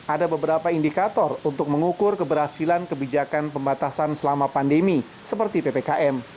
ada beberapa indikator untuk mengukur keberhasilan kebijakan pembatasan selama pandemi seperti ppkm